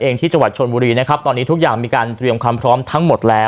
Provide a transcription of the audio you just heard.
ที่จังหวัดชนบุรีนะครับตอนนี้ทุกอย่างมีการเตรียมความพร้อมทั้งหมดแล้ว